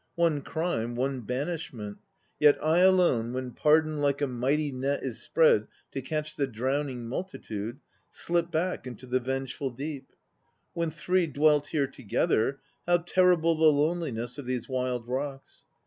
One crime, one banishment; Yet I alone, when pardon Like a mighty net is spread To catch the drowning multitude, slip back Into the vengeful deep! When three dwelt here together, How terrible the loneliness of these wild rocks!